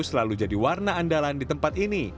selalu jadi warna andalan di tempat ini